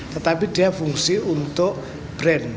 tetapi dia fungsi untuk brand